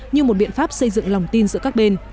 như một biện pháp xây dựng lòng tin giữa các bên